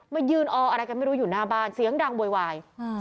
มายืนอออะไรกันไม่รู้อยู่หน้าบ้านเสียงดังโวยวาย